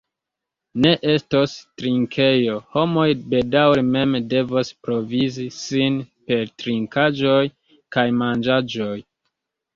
Ne estos trinkejo, homoj bedaŭre mem devos provizi sin per trinkaĵoj kaj manĝaĵoj.